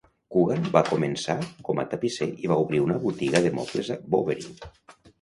Coogan va començar com a tapisser i va obrir una botiga de mobles a Bowery.